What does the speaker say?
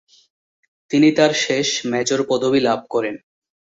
তিনি তার শেষ মেজর পদবি লাভ করেন।